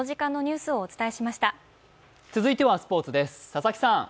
続いてはスポーツです。